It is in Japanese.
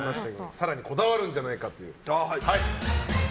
更にこだわるんじゃないかという。